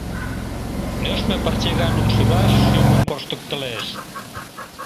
Нӧшмӧ пырче гай лум шӱраш шӱргым корштыктылеш.